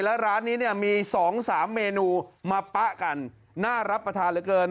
แล้วร้านนี้เนี่ยมีสองสามเมนูมาป๊ะกันน่ารับประทานเกิน